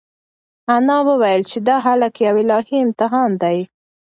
انا وویل چې دا هلک یو الهي امتحان دی.